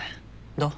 どう？